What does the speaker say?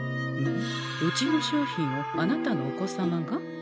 うちの商品をあなたのお子様が？